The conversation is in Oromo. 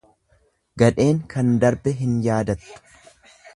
Gadheen kan darbe hin yaadattu.